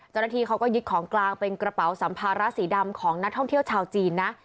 เจ้าหน้าที่เขาก็ยึดของกลางเป็นกระเป๋าสัมภาระสีดำของนักท่องเที่ยวชาวจีนนะ